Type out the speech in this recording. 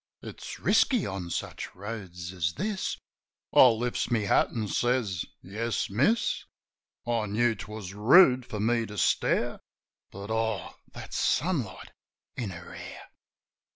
"It's risky on such roads as this." I lifts my hat an' says, "Yes, miss." I knew 'twas rude for me to stare. But, oh, that sunlight in her hair!